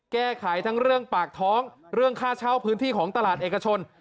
แก้ไขทั้งเรื่องปากท้องเรื่องค่าเช่าพื้นที่ของตลาดเอกชน